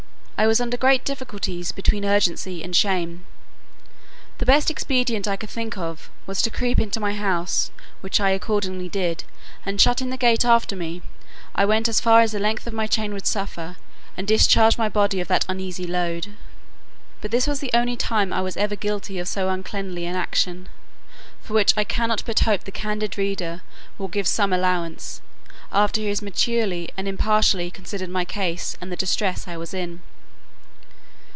I was under great difficulties between urgency and shame. The best expedient I could think of, was to creep into my house, which I accordingly did; and shutting the gate after me, I went as far as the length of my chain would suffer, and discharged my body of that uneasy load. But this was the only time I was ever guilty of so uncleanly an action; for which I cannot but hope the candid reader will give some allowance, after he has maturely and impartially considered my case, and the distress I was in.